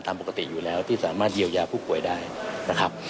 ตามปกติอยู่แล้วที่สามารถเยียวยาผู้ป่วยได้นะครับ